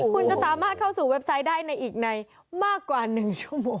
คุณจะสามารถเข้าสู่เว็บไซต์ได้ในอีกในมากกว่า๑ชั่วโมง